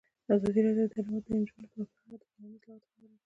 ازادي راډیو د تعلیمات د نجونو لپاره په اړه د قانوني اصلاحاتو خبر ورکړی.